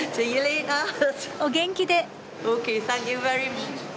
お元気で。